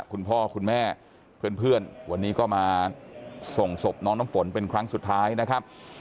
คุณพ่อคุณแม่เพื่อนวันนี้ก็มาส่งศพน้องน้ำฝนเป็นครั้งสุดท้ายนะครับ